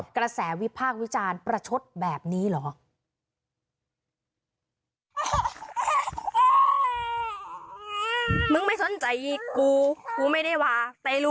กระแสวิพากษ์วิจารณ์ประชดแบบนี้เหรอ